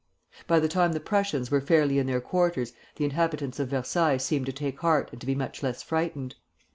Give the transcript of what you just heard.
"By the time the Prussians were fairly in their quarters the inhabitants of Versailles seemed to take heart and to be much less frightened.